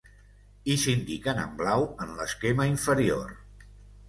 I s'indiquen en blau en l'esquema inferior.